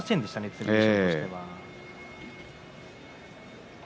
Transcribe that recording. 剣翔としては。